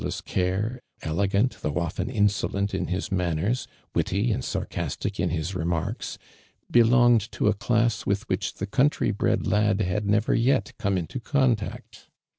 s care, elegant, though often insolent in his numners, witty and sarcastic in his lemarks, belonge(l to a class with which the country bred lad had nev( r yet come into contact.